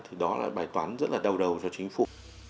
thì đó là bài toán rất là đầu đầu cho chính phủ